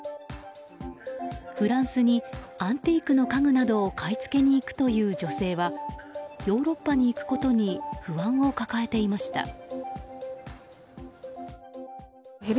フランスにアンティークの家具などを買い付けに行くという女性はヨーロッパに行くことに不安を抱えていました。